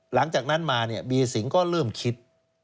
หลังจากนั้นมาเนี่ยเบียสิงก็เริ่มคิด